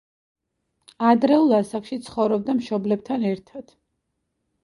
ადრეულ ასაკში ცხოვრობდა მშობლებთან ერთად.